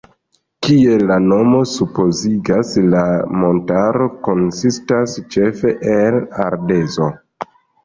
Kiel la nomo supozigas, la montaro konsistas ĉefe el ardezo.